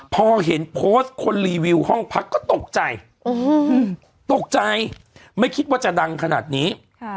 พอเห็นโพสต์คนรีวิวห้องพักก็ตกใจตกใจไม่คิดว่าจะดังขนาดนี้